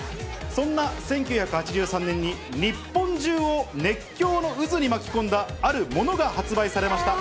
そんな１９８３年に日本中を熱狂の渦に巻き込んだあるものが発売されました。